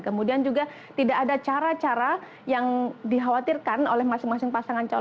kemudian juga tidak ada cara cara yang dikhawatirkan oleh masing masing pasangan calon